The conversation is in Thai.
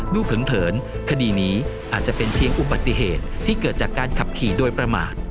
เผินคดีนี้อาจจะเป็นเพียงอุบัติเหตุที่เกิดจากการขับขี่โดยประมาท